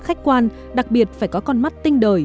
khách quan đặc biệt phải có con mắt tinh đời